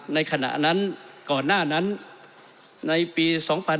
ในขณะนั้นก่อนหน้านั้นในปี๒๕๕๙